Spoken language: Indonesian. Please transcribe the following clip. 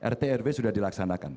rtrw sudah dilaksanakan